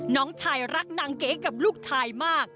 น้องชายรักนางเก๋กับลูกชายมาก